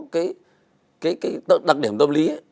cái đặc điểm tâm lý